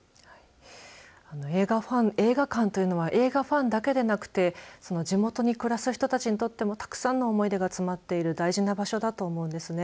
映画館というのは映画ファンだけでなくてその地元に暮らす人たちにとっても、たくさんの思い出が詰まっている大事な場所だと思うんですね。